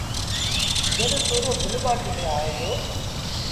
جڏهيݩ تُوريو گل ٻآٽيٚ تي آئي وهي دو